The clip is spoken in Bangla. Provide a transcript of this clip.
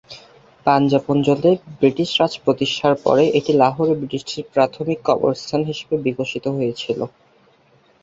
পাঞ্জাব অঞ্চলে ব্রিটিশ রাজ প্রতিষ্ঠার পরে এটি লাহোরে ব্রিটিশদের প্রাথমিক কবরস্থান হিসাবে বিকশিত হয়েছিল।